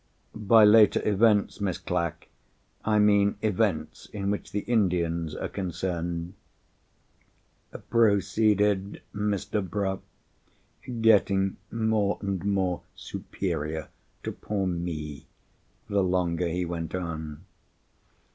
"By later events, Miss Clack, I mean events in which the Indians are concerned," proceeded Mr. Bruff, getting more and more superior to poor Me, the longer he went on.